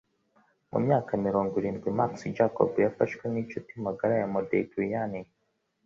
Mu myaka mirongo irindwi Max Jacob yafashwe nkinshuti magara ya Modigliani